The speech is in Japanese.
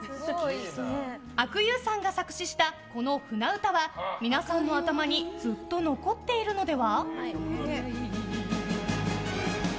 阿久悠さんが作詞したこの「舟唄」は皆さんの頭にずっと残っているのでは？